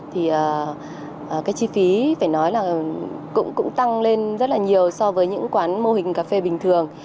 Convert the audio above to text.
thì cái chi phí phải nói là cũng tăng lên rất là nhiều so với những quán mô hình cà phê bình thường